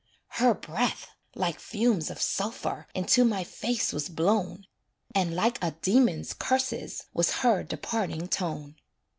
Her breath, like fumes of sulphur, Into my face was blown, And like a demon's curses Was her departing tone.